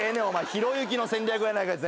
ひろゆきの戦略やないかい。